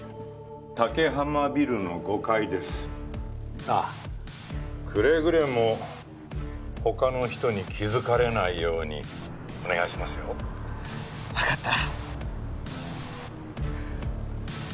竹浜ビルの５階ですああくれぐれも他の人に気づかれないように☎お願いしますよ分かった